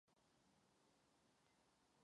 Jedná se o třetí nejdelší silniční tunel na světě.